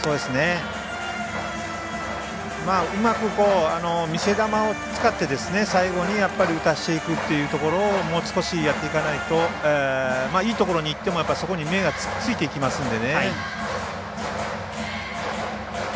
うまく、見せ球を使って最後に打たせていくというところをもう少しやっていかないといいところにいってもそこに目がついていきますので。